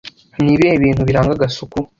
Ni ibihe bintu biranga gasuku